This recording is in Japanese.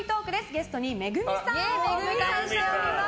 ゲストにＭＥＧＵＭＩさんをお迎えしております。